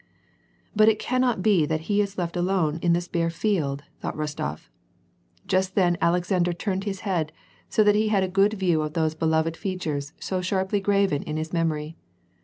"But it cannot be that he is left alone in this bare field !" thought Rostof. Just then Alexander turned his head, so that he had a good view of those beloved features so sharply graven on his memory.